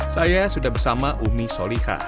saya sudah bersama umi solihah